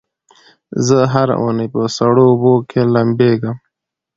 زه هره اونۍ په سړو اوبو کې لمبېږم.